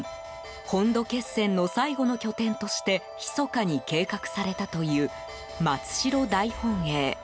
本土決戦の最後の拠点として密かに計画されたという松代大本営。